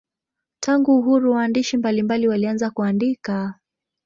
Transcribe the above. Tangu uhuru waandishi mbalimbali walianza kuandika.